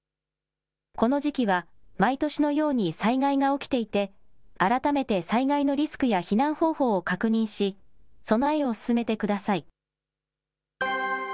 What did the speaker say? この時期は、毎年のように災害が起きていて、改めて災害のリスクや避難方法を確認し、備えを進めてください。